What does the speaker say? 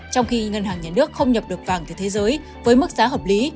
trong khi ngân hàng nhà nước không nhập được vàng từ thế giới với mức giá hợp lý